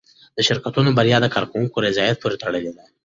د شرکتونو بریا د کارکوونکو رضایت پورې تړلې ده.